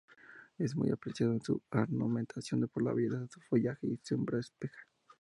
Es muy apreciado en ornamentación por la belleza de su follaje y sombra espesa.